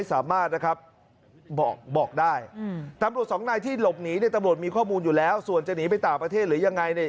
ตำรวจมีข้อมูลอยู่แล้วส่วนจะหนีไปต่างประเทศหรือยังไง